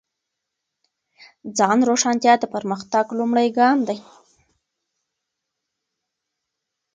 ځان روښانتیا د پرمختګ لومړی ګام دی.